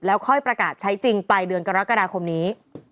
ค่อยประกาศใช้จริงปลายเดือนกรกฎาคมนี้